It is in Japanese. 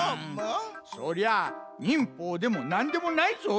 そりゃ忍法でもなんでもないぞい。